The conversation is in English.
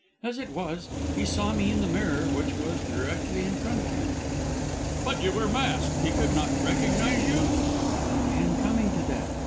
As it was, he saw me in the mirror, which was directly in front of him." "But you were masked: he could not recognise you?" "I am coming to that.